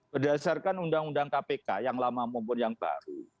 berdasarkan undang undang kpk yang lama maupun yang baru